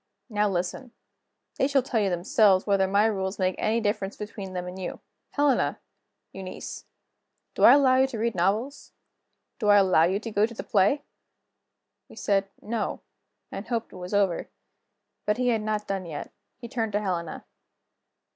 Now listen. They shall tell you themselves whether my rules make any difference between them and you. Helena! Eunice! do I allow you to read novels? do I allow you to go to the play?" We said, "No" and hoped it was over. But he had not done yet. He turned to Helena.